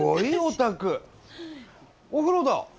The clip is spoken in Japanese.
お風呂だ！